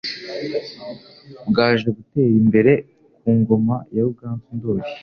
Bwaje gutera imbere ku ngoma ya Ruganzu Ndoli